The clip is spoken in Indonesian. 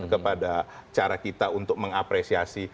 kepada cara kita untuk mengapresiasi